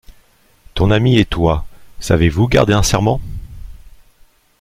Ton ami et toi, savez-vous garder un serment ?